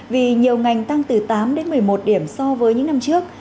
vì nhiều ngành tăng từ tám đến một mươi một điểm so với những năm trước